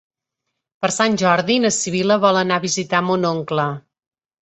Per Sant Jordi na Sibil·la vol anar a visitar mon oncle.